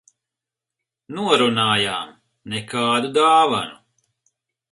Norunājām - nekādu dāvanu.